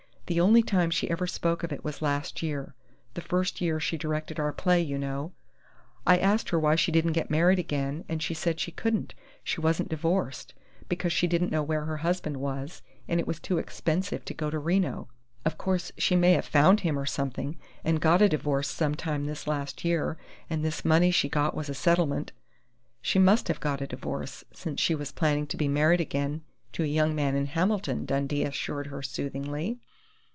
"The only time she ever spoke of it was last year the first year she directed our play, you know. I asked her why she didn't get married again, and she said she couldn't she wasn't divorced, because she didn't know where her husband was, and it was too expensive to go to Reno.... Of course she may have found him or something and got a divorce some time this last year, and this money she got was a settlement " "She must have got a divorce, since she was planning to be married again to a young man in Hamilton," Dundee assured her soothingly.